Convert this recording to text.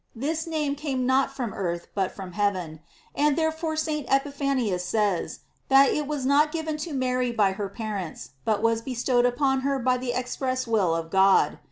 This name came not from earth, but from heaven; and therefore St. Epiphanius says, that it was not given to Mary by her parents, but was bestowed upon her by the express will of God.